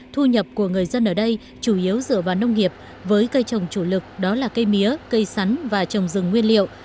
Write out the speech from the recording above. thu nhập của người dân ở đây chủ yếu dựa vào nông nghiệp với cây trồng chủ lực đó là cây mía cây sắn và trồng rừng nguyên liệu